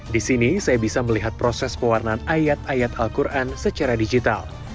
di sini saya bisa melihat proses pewarnaan ayat ayat al quran secara digital